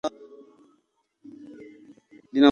Linafuata mapokeo ya Aleksandria na kutumia liturujia ya Misri.